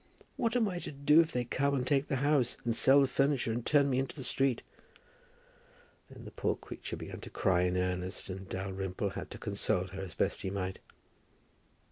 What am I to do if they come and take the house, and sell the furniture, and turn me out into the street?" Then the poor creature began to cry in earnest, and Dalrymple had to console her as best he might.